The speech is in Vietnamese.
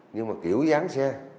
nhưng mà kiểu dáng xe